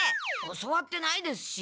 教わってないですし。